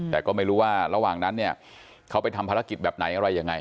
แต่ก็ไม่รู้ว่าระหว่างนั้นเนี่ยเขาไปทำภารกิจแบบไหนอะไรยังไง